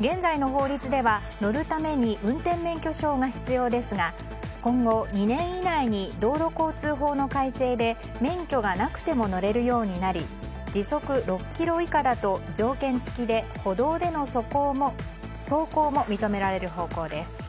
現在の法律では乗るために運転免許証が必要ですが今後、２年以内に道路交通法の改正で免許がなくても乗れるようになり時速６ｋｍ以下だと条件付きで歩道での走行も認められる方向です。